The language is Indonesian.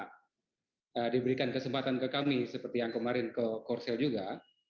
nah diberikan kesempatan ke kami seperti yang kemarin ke korsel juga